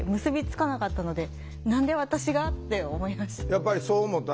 やっぱりそう思た？